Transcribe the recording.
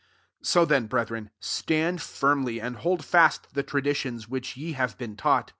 15 So then, brethren, stand firmly, and hold fast the tradi tions which ye have been taught.